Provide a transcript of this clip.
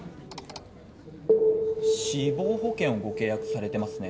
死亡保険をご契約されてますね。